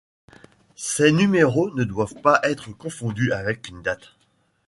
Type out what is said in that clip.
Ces numéros ne doivent pas être confondu avec une date.